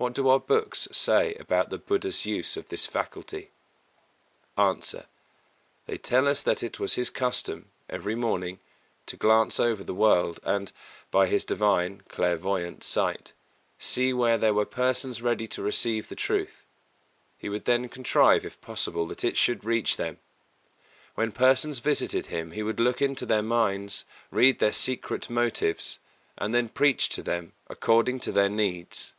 What do our books say about the Buddha's use of this faculty? A. They tell us that it was his custom, every morning, to glance over the world and, by his divine (clairvoyant) sight, see where there were persons ready to receive the truth. He would then contrive, if possible, that it should reach them. When persons visited him he would look into their minds, read their secret motives, and then preach to them according to their needs.